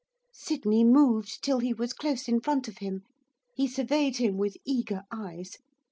Sydney moved till he was close in front of him. He surveyed him with eager eyes.